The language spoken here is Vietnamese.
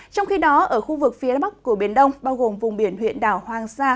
trong khi đó ở khu vực phía bắc của biển đông bao gồm vùng biển huyện đảo hoàng sa